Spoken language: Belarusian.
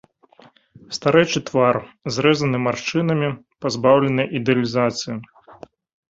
Старэчы твар, зрэзаны маршчынамі, пазбаўлены ідэалізацыі.